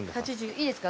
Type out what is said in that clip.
いいですか？